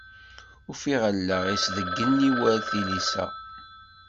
Ufiɣ allaɣ-is d igenni war tilisa.